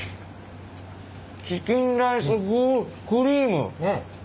チキンライス風クリーム。